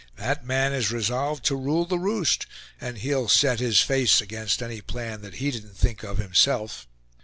That man is resolved to rule the roost and he'll set his face against any plan that he didn't think of himself."